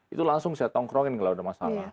itu langsung saya tongkrongin kalau ada masalah